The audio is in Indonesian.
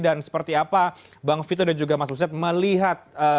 dan seperti apa bang vito dan juga mas buset melihat